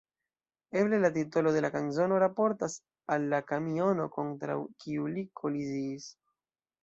Eble la titolo de la kanzono raportas al la kamiono, kontraŭ kiu li koliziis.